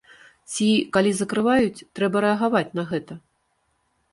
Ці, калі закрываюць, трэба рэагаваць на гэта.